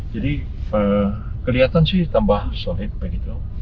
jadi kelihatan sih tambah solid begitu